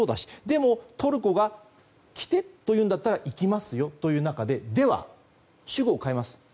でも、トルコが来てというなら行きますよという中ででは、主語を変えます。